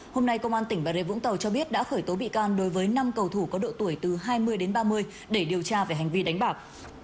hôm nay công an tỉnh bà rê vũng tàu cho biết đã khởi tố bị can đối với năm cầu thủ có độ tuổi từ hai mươi đến ba mươi để điều tra về hành vi đánh bạc